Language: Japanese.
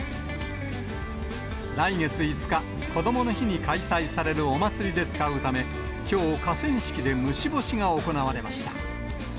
来月５日こどもの日に開催されるお祭りで使うため、きょう、河川敷で虫干しが行われました。